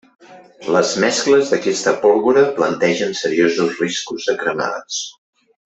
Les mescles d'aquesta pólvora plantegen seriosos riscos de cremades.